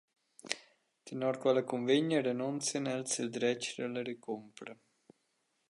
Tenor quella cunvegna renunzian els sil dretg da recumpra.